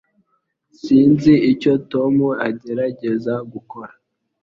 Sinzi icyo Tom agerageza gukora